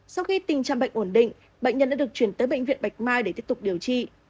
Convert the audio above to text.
sau khi tình trạng bệnh ổn định bệnh nhân đã được chuyển tới bệnh viện bạch mai để tiếp tục điều trị